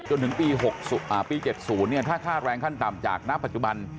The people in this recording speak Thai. จนถึงปี๗๐ถ้าค่าแรงขั้นต่ำจากณปัจจุบัน